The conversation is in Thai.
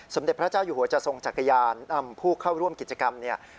สมเด็จพระเจ้าอยู่หัวจะทรงจักรยานนำผู้เข้าร่วมกิจกรรมเนี่ย